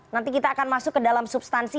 nanti kita akan masuk ke dalam substansi